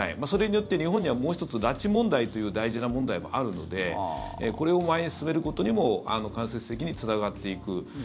それによって日本にはもう１つ拉致問題という大事な問題もあるのでこれを前に進めることにも間接的につながっていく。